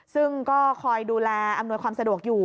ซึ่งก็คอยดูแลอำนวยความสะดวกอยู่